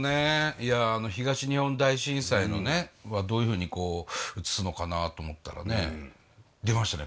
いや東日本大震災はどういうふうに映すのかなと思ったらね出ましたね